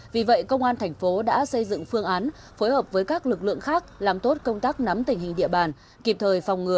vì vậy công an thành phố đã xây dựng phương án phối hợp với các lực lượng khác làm tốt công tác nắm tình hình địa bàn